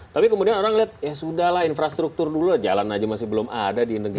tapi kemudian orang lihat ya sudah lah infrastruktur dulu aja jalan aja masih belum ada di negeri